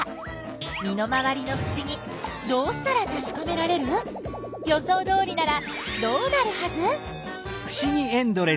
身の回りのふしぎどうしたらたしかめられる？予想どおりならどうなるはず？